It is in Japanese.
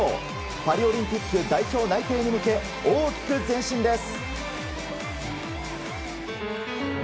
パリオリンピック代表内定に向け大きく前進です。